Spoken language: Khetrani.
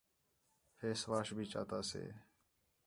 فیس واش بھی چاتا سے